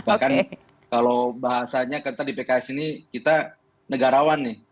bahkan kalau bahasanya karena di pks ini kita negarawan nih